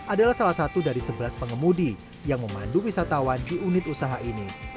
adalah salah satu dari sebelas pengemudi yang memandu wisatawan di unit usaha ini